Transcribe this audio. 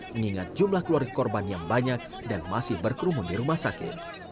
mengingat jumlah keluarga korban yang banyak dan masih berkerumun di rumah sakit